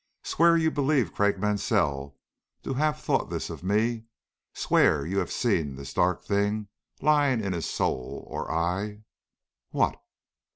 Swear you believe Craik Mansell to have thought this of me! Swear you have seen this dark thing lying in his soul, or I " "What?"